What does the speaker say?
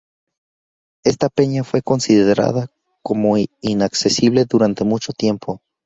Esta peña fue considerada como inaccesible durante mucho tiempo.